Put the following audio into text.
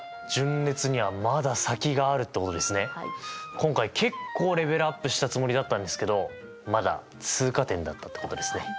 今回結構レベルアップしたつもりだったんですけどまだ通過点だったってことですね。